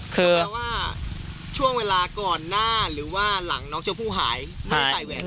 คือแปลว่าช่วงเวลาก่อนหน้าหรือว่าหลังน้องชมพู่หายไม่ใส่แหวน